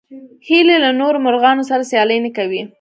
هیلۍ له نورو مرغانو سره سیالي نه کوي